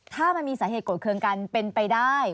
ถ้ามันมีสาเหตุโกรธเครื่องกันเป็นไปได้